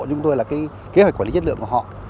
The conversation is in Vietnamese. chúng tôi là cái kế hoạch quản lý chất lượng của họ